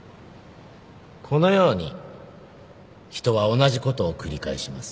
このように人は同じことを繰り返します。